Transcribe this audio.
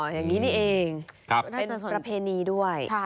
อย่างนี้นี่เองเป็นประเพณีด้วย